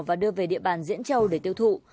và đưa về địa bàn diễn châu để tiêu thụ